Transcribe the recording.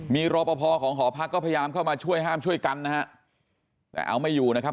มีรอปภของหอพักก็พยายามเข้ามาช่วยห้ามช่วยกันนะฮะแต่เอาไม่อยู่นะครับ